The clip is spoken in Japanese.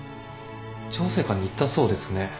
調整官に言ったそうですね。